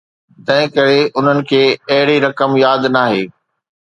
تنهن ڪري انهن کي اهڙي رقم ياد ناهي.